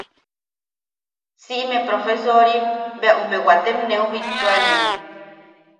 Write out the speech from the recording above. Siʼime profesorim bea ume waatem neu bibittuane.